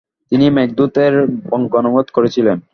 তিনি মেঘদূত -এর বঙ্গানুবাদ করেছিলেন।